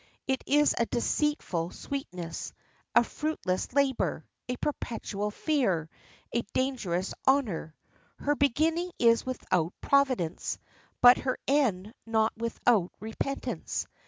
It is a deceitful sweetness, a fruitless labor, a perpetual fear, a dangerous honor; her beginning is without providence, but her end not without repentance.